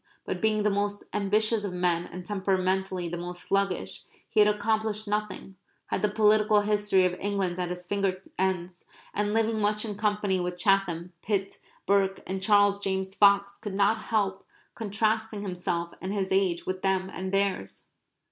But, being the most ambitious of men and temperamentally the most sluggish, he had accomplished nothing; had the political history of England at his finger ends, and living much in company with Chatham, Pitt, Burke, and Charles James Fox could not help contrasting himself and his age with them and theirs.